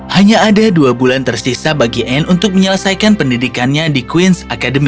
hanya ada dua bulan tersisa bagi anne untuk menyelesaikan pendidikannya di queens academy